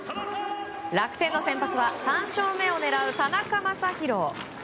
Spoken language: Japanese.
楽天の先発は３勝目を狙う田中将大。